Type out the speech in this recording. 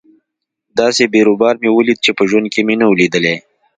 داسې بيروبار مې وليد چې په ژوند کښې مې نه و ليدلى.